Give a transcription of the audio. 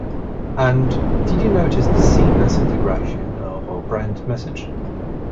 And did you notice the seamless integration of our brand message?